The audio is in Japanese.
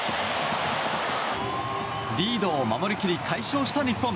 リードを守り切り快勝した日本。